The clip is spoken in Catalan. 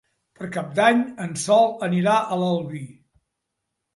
Per Cap d'Any en Sol anirà a l'Albi.